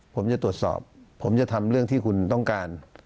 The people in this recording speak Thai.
ผมจะตรวจสอบผมจะทำเรื่องที่คุณต้องการ